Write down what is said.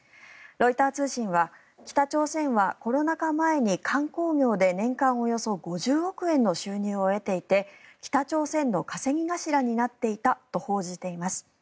ロイター通信は北朝鮮はコロナ禍前に観光業で年間およそ５０億円の収入を得ていて北朝鮮の稼ぎ頭になっていたと報じています。